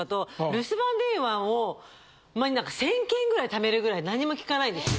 留守番電話を前に何か１０００件ぐらい溜めるぐらい何も聞かないですよ。